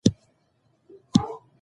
په اصفهان کې د خلکو ژوند ډېر سخت شوی و.